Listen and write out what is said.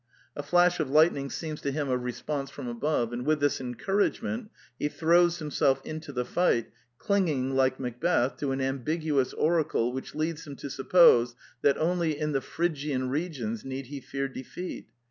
* A flash of lightning seems to him a response from above ; and with this encourage ment he throws himself into the fight, clinging, like Macbeth, to an ambiguous oracle which leads him to suppose that only in the Phrygian regions need he fear defeat.